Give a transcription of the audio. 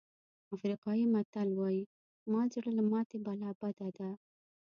افریقایي متل وایي مات زړه له ماتې ملا بده ده.